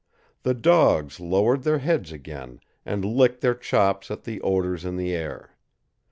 The dogs lowered their heads again, and licked their chops at the odors in the air.